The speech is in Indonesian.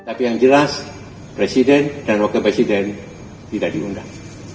tapi yang jelas presiden dan wakil presiden tidak diundang